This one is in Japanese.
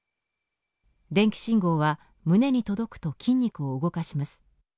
電気信号は胸に届くと筋肉を動かします。